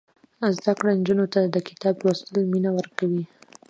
زده کړه نجونو ته د کتاب لوستلو مینه ورکوي.